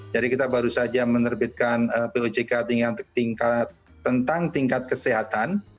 jadi kita baru saja menerbitkan pojk tentang tingkat kesehatan